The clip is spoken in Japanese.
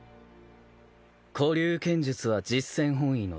古流剣術は実戦本位の殺人剣。